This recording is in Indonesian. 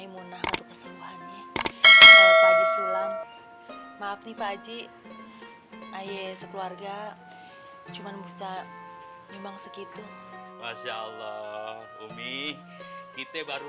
maaf nih pak aji ayo sekeluarga cuman bisa nyumbang segitu masya allah umi kita baru